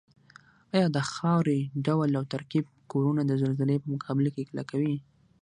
ایا د خاورې ډول او ترکیب کورنه د زلزلې په مقابل کې کلکوي؟